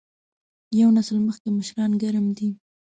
یو نسل مخکې مشران ګرم دي.